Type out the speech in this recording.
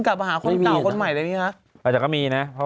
แล้วก็มีโอกาสแบบยูเทินรีเทินกลับ